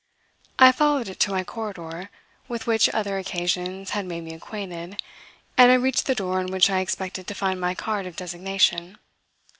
I followed it to my corridor, with which other occasions had made me acquainted, and I reached the door on which I expected to find my card of designation.